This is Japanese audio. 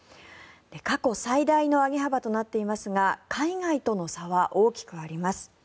過去最大の上げ幅となっていますが海外との差は大きくあります。